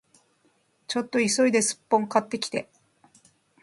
ちょっと急いでスッポン買ってきて